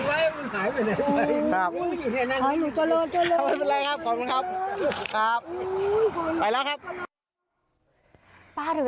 แต่พอหนุ่มเขาอะกิบายป๊าก็ยิ้มออก